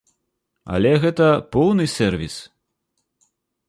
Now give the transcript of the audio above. Але гэта поўны сэрвіс.